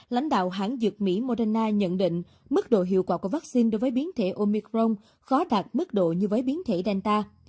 lãnh đạo hãng dược mỹ moderna nhận định mức độ hiệu quả của vaccine đối với biến thể omicron khó đạt mức độ như với biến thể danta